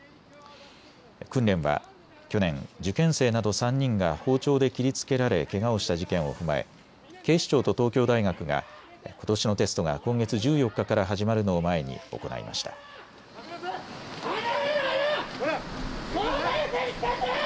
訓練は去年、受験生など３人が包丁で切りつけられけがをした事件を踏まえ、警視庁と東京大学がことしのテストが今月１４日から始まるのを前に行いました。